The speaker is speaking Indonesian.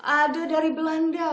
ada dari belanda